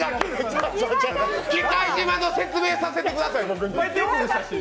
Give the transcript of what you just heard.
喜界島の説明させてください！